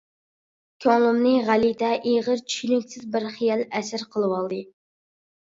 كۆڭلۈمنى غەلىتە ئېغىر چۈشىنىكسىز بىر خىيال ئەسىر قىلىۋالدى.